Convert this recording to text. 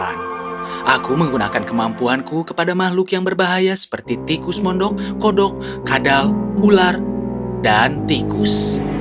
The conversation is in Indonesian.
aku menggunakan kemampuanku kepada makhluk yang berbahaya seperti tikus mondok kodok kadal ular dan tikus